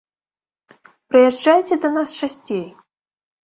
Прыязджайце да нас часцей!